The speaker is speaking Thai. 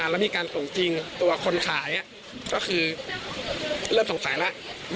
แล้วมีการส่งจริงตัวคนขายก็คือเริ่มสงสัยแล้ว